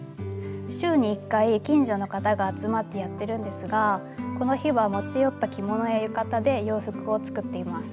週に１回近所の方が集まってやってるんですがこの日は持ち寄った着物や浴衣で洋服を作っています。